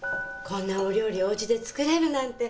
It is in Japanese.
こんなお料理をおうちで作れるなんて。